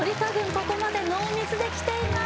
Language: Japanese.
ここまでノーミスできています